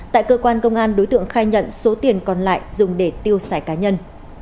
tại cơ quan công an đối tượng khai nhận số tiền còn lại dùng để tiêu xài cá nhân